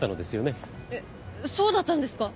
えっそうだったんですか？